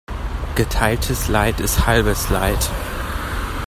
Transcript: Geteiltes Leid ist halbes Leid.